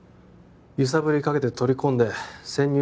揺さぶりかけて取り込んで潜入